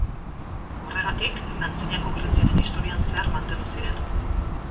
Horregatik, Antzinako Greziaren historian zehar mantendu ziren.